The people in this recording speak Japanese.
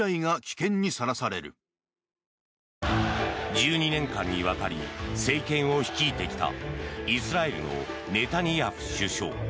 １２年間にわたり政権を率いてきたイスラエルのネタニヤフ首相。